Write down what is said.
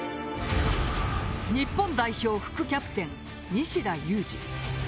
日本代表副キャプテン、西田有志。